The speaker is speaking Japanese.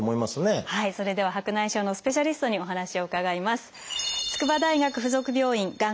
それでは白内障のスペシャリストにお話を伺います。